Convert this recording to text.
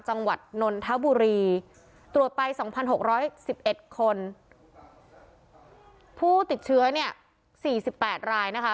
จังหวัดนนทะบุรีตรวจไป๒๖๑๑คนผู้ติดเชื้อ๔๘รายนะคะ